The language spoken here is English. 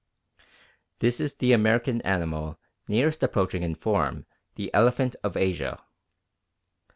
This is the American animal nearest approaching in form the elephant of Asia.